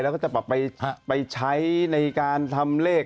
แล้วก็จะไปใช้ในการทำเลข